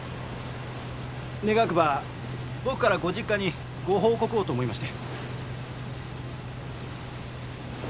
願わくば僕からご実家にご報告をと思いまして。